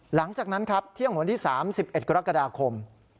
หลังจากนั้นครับเที่ยงวันที่๓๑กรกฎาคม